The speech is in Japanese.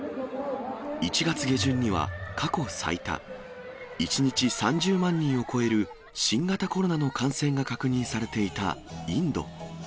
１月下旬には、過去最多、１日３０万人を超える新型コロナの感染が確認されていたインド。